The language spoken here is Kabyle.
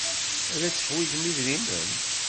Ad teḥwijem idrimen.